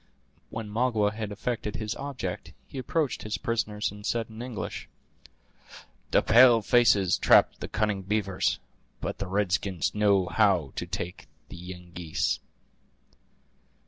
When Magua had effected his object he approached his prisoners, and said in English: "The pale faces trap the cunning beavers; but the red skins know how to take the Yengeese."